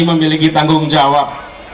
memiliki tanggung jawab